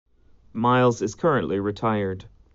Miles is currently retired.